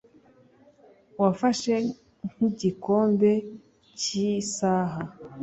Wafashe nkigikombe cyisaha